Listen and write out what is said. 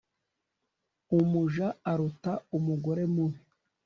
Umuja aruta umugore mubi